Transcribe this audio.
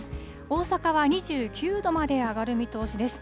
大阪は２９度まで上がる見通しです。